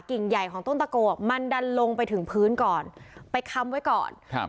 ใหญ่ของต้นตะโกมันดันลงไปถึงพื้นก่อนไปค้ำไว้ก่อนครับ